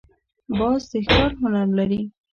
باز د ښکار هنر لري